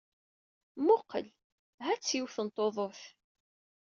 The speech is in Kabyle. Mmuqqel! Ha-tt yiwet n tuḍut.